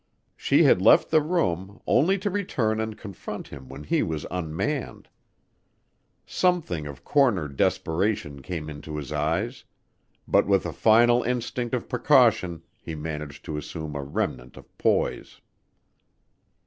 She had left the room, only to return and confront him when he was unmanned. Something of cornered desperation came into his eyes, but with a final instinct of precaution he managed to assume a remnant of poise.